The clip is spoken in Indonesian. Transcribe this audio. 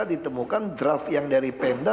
ditemukan draft yang dari pemda